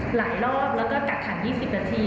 หลายรอบแล้วก็กักขัง๒๐นาที